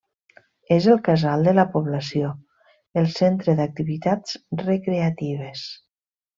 És el casal de la població, el centre d'activitats recreatives.